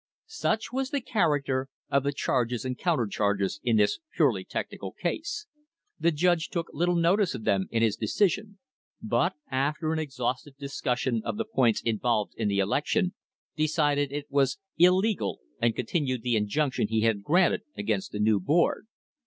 Such was the character of the charges and countercharges in this purely technical case. The judge took little notice of them in his decision, but, after an exhaustive discussion of the points involved in the election, decided it was illegal and continued the injunction he had granted against the new board.